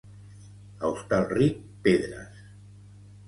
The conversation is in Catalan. A Hostalric, pedres.